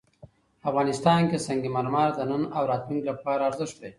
افغانستان کې سنگ مرمر د نن او راتلونکي لپاره ارزښت لري.